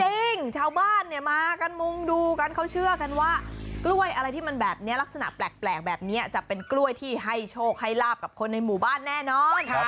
จริงชาวบ้านเนี่ยมากันมุงดูกันเขาเชื่อกันว่ากล้วยอะไรที่มันแบบนี้ลักษณะแปลกแบบนี้จะเป็นกล้วยที่ให้โชคให้ลาบกับคนในหมู่บ้านแน่นอน